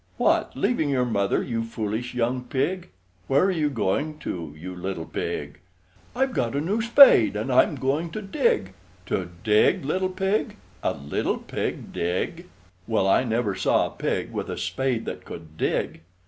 What, leaving your Mother, you foolish young pig? Where are you going to, you little pig? "I've got a new spade, and I'm going to dig!" To dig, little pig! A little pig dig! Well, I never saw a pig with a spade that could dig!